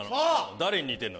誰に似てるの？